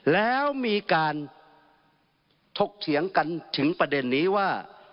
แล้วมีการถกเถียงกันถึงประเด็นนี้ว่า